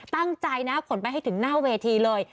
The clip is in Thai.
ตั้งใจนะขนไปให้ถึงหน้าเวทีเลย